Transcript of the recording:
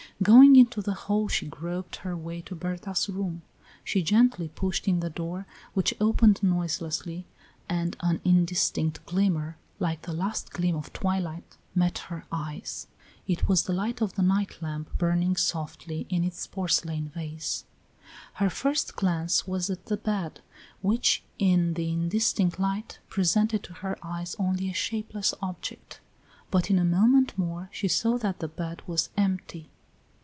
Going into the hall she groped her way to Berta's room. She gently pushed in the door, which opened noiselessly, and an indistinct glimmer, like the last gleam of twilight, met her eyes. It was the light of the night lamp burning softly in its porcelain vase. Her first glance was at the bed, which, in the indistinct light, presented to her eyes only a shapeless object; but in a moment more she saw that the bed was empty.